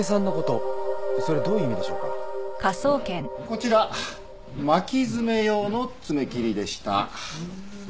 こちら巻き爪用の爪切りでした。